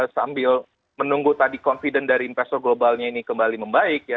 sambil menunggu tadi confident dari investor globalnya ini kembali membaik ya